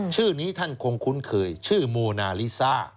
ชื่อนี้ท่านคงคุ้นเคยชื่อโมนาลิซ่า